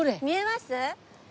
見えます？